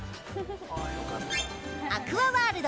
アクアワールド